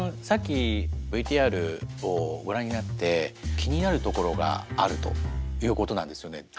さっきＶＴＲをご覧になって気になるところがあるということなんですよね。